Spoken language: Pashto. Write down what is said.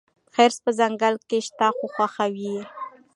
خرس په ځنګل کې شات خوښوي.